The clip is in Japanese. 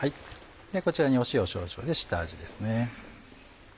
こちらに塩を少々で下味ですね。